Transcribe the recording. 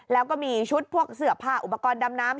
แล้วก็มีชุดพวกเสื้อผ้าอุปกรณ์ดำน้ำ